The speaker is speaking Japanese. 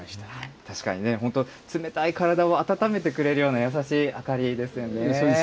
確かにね、本当に冷たい体を温めてくれるような優しい明かりですよね。